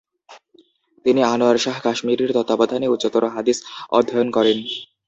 তিনি আনোয়ার শাহ কাশ্মীরির তত্ত্বাবধানে উচ্চতর হাদিস অধ্যয়ন করেন।